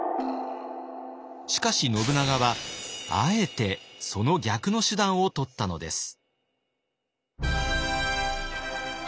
しかし信長はあえてその逆の手段をとったのです。